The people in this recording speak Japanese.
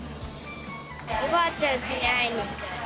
おばあちゃんちに会いに行く。